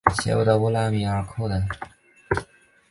邪恶的维拉米尔寇等。